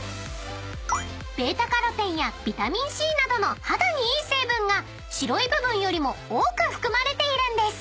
［β−カロテンやビタミンＣなどの肌にいい成分が白い部分よりも多く含まれているんです］